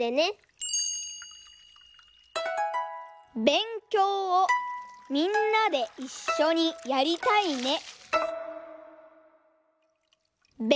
「べんきょうをみんなで一緒にやりたいね」。